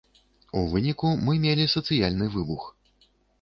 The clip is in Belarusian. У выніку мы мелі сацыяльны выбух.